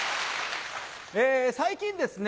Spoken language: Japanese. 最近ですね